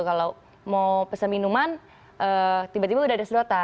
kalau mau pesen minuman tiba tiba udah ada sedotan